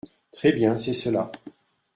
Très bien ! c’est cela.